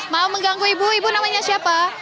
mau mengganggu ibu ibu namanya siapa